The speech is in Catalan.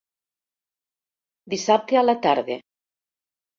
Dissabte a la tarda.